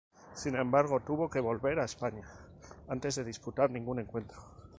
Sin embargo tuvo que volver a España antes de disputar ningún encuentro.